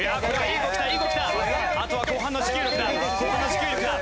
あとは後半の持久力だ。